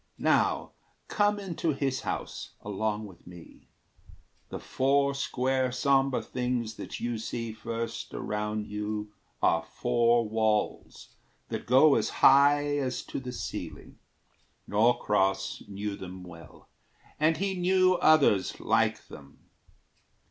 Now come into his house, along with me: The four square sombre things that you see first Around you are four walls that go as high As to the ceiling. Norcross knew them well, And he knew others like them.